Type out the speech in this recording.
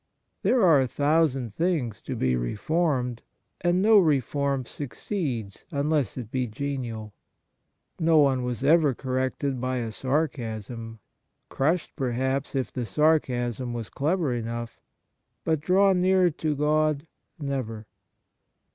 There are a thousand things to be reformed, and no reform succeeds unless it be genial. No one was ever corrected by a sarcasm, crushed, perhaps, if the sarcasm was clever enough, but drawn nearer to God, never.